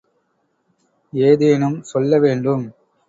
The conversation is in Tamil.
ஏதேனும் சொல்ல வேண்டும்.